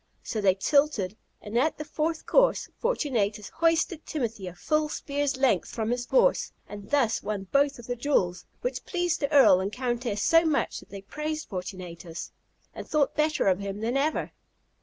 So they tilted, and, at the fourth course, Fortunatus hoisted Timothy a full spear's length from his horse, and thus won both the jewels, which pleased the Earl and Countess so much that they praised Fortunatus, and thought better of him than ever.